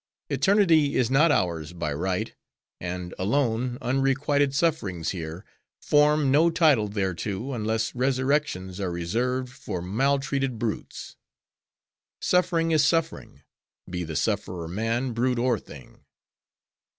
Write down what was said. Eternity is not ours by right; and, alone, unrequited sufferings here, form no title thereto, unless resurrections are reserved for maltreated brutes. Suffering is suffering; be the sufferer man, brute, or thing.